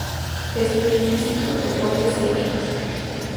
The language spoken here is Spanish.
Estudió Física, deportes y artes.